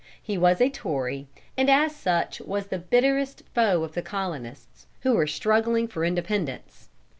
He was a tory, and as such was the bitterest foe of the colonists, who were struggling for independence.